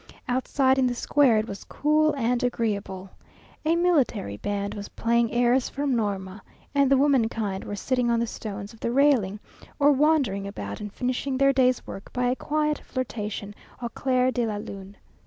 Outside, in the square, it was cool and agreeable. A military band was playing airs from Norma, and the womankind were sitting on the stones of the railing, or wandering about and finishing their day's work by a quiet flirtation au clair de la lune.